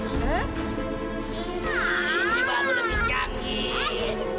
ini baru lebih canggih